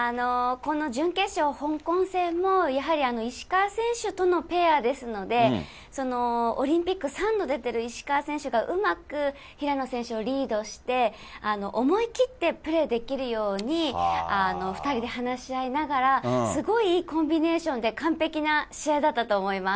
この準決勝、香港戦も、やはり石川選手とのペアですので、オリンピック３度出てる石川選手がうまく平野選手をリードして、思い切ってプレーできるように２人で話し合いながら、すごいいいコンビネーションで、完璧な試合だったと思います。